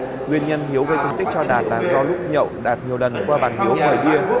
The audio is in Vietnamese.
nguyên nhân hiếu gây thương tích cho đạt là do lúc nhậu đạt nhiều lần qua bàn hiếu mời bia